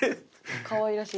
かわいらしい。